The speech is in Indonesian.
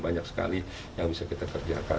banyak sekali yang bisa kita kerjakan